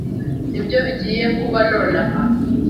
Nibyo bigiye kuba nonaha.